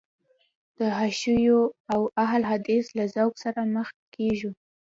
د حشویه او اهل حدیث له ذوق سره مخ کېږو.